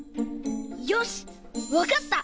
よしわかった！